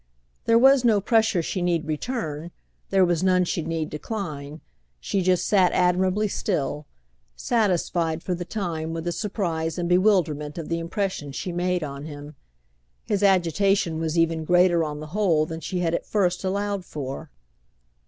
There was no pressure she need return, there was none she need decline; she just sat admirably still, satisfied for the time with the surprise and bewilderment of the impression she made on him. His agitation was even greater on the whole than she had at first allowed for.